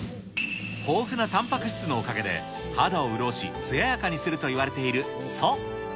豊富なたんぱく質のおかげで、肌を潤し、つややかにするといわれている蘇。